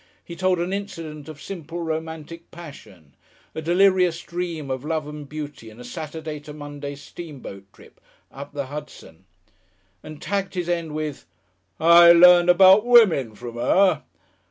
He told an incident of simple, romantic passion, a delirious dream of love and beauty in a Saturday to Monday steamboat trip up the Hudson, and tagged his end with, "I learnt about women from 'er!"